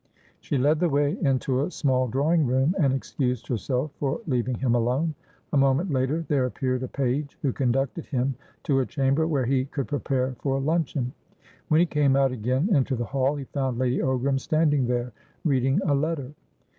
She led the way into a small drawing room, and excused herself for leaving him alone. A moment later, there appeared a page, who conducted him to a chamber where he could prepare for luncheon. When he came out again into the hall, he found Lady Ogram standing there, reading a letter.